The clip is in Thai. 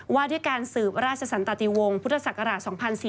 ว่าด้วยการสืบราชสันตติวงศ์พุทธศักราช๒๔๔